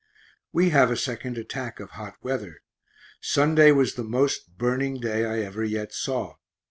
We have a second attack of hot weather Sunday was the most burning day I ever yet saw.